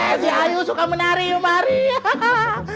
eh si ayu suka menari yuk mari yaa